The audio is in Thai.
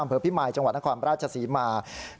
มพิมายจังหวัดนครราชศรีมา